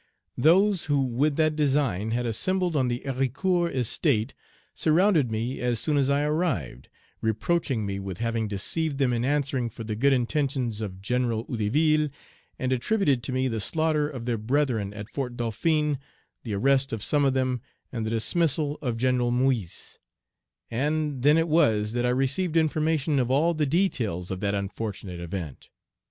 Those who with that design had assembled on the Héricourt estate surrounded me as soon as I arrived, reproaching me with having deceived them in answering for the good intentions of General Hédouville, and attributed to me the slaughter of their brethren at Fort Dauphin, the arrest of some of them, and the dismissal of General Moyse; and then it was that I received information of all the details of that unfortunate event.